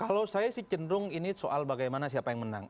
kalau saya sih cenderung ini soal bagaimana siapa yang menang